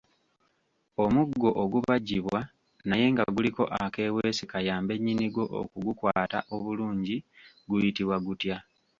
Omuggo ogubajjibwa naye nga guliko akeeweese kayambe nnyini gwo okugukwata obulungi guyitibwa gutya?